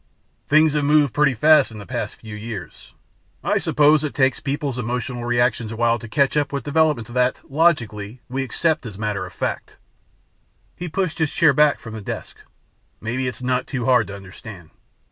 Things have moved pretty fast in the past few years. I suppose it takes people's emotional reactions a while to catch up with developments that, logically, we accept as matter of fact." He pushed his chair back from the desk, "Maybe it's not too hard to understand.